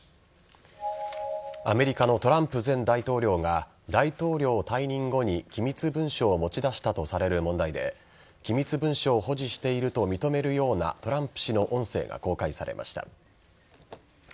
アメリカのトランプ前大統領が大統領退任後に機密文書を持ち出したとされる問題で機密文書を保持していると認めるようなトランプ氏の音声が公開されました。